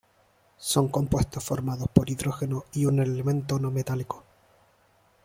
Son compuestos formados por hidrógeno y un elemento no metálico.